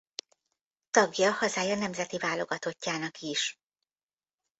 Tagja hazája nemzeti válogatottjának is.